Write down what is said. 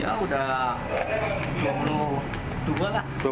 yang ini kalau berjam berapa